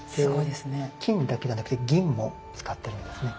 で金だけじゃなくて銀も使ってるんですね。